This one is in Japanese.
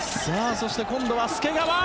そして、今度は介川！